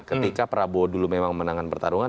ketika prabowo dulu memang menangan pertarungan